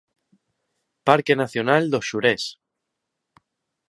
Parque Nacional do Xurés.